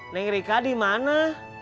neng rika di mana